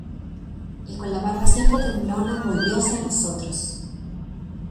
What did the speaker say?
y con la barba siempre temblona, volvióse a nosotros: